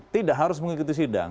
tidak harus mengikuti sida